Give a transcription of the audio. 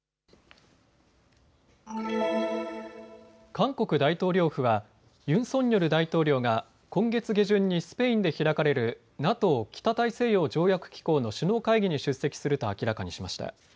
韓国大統領府はユン・ソンニョル大統領が今月下旬にスペインで開かれるＮＡＴＯ・北大西洋条約機構の首脳会議に出席すると明らかにしました。